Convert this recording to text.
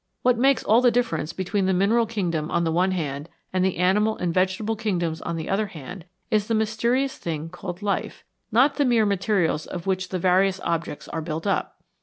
What makes all the difference between the mineral kingdom on the one hand, and the animal and vegetable kingdoms on the other hand, is the mysterious thing called "life," not the mere materials of which the various objects are built up.